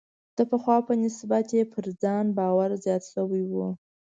د پخوا په نسبت یې پر ځان باور زیات شوی و.